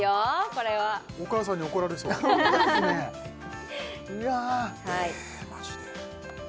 これはお母さんに怒られそうホントですねうわえマジで！？